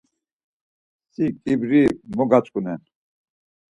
Si ǩibri mo gatzǩunen?